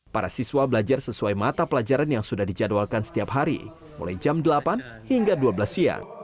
para siswa belajar sesuai mata pelajaran yang sudah dijadwalkan setiap hari mulai jam delapan hingga dua belas siang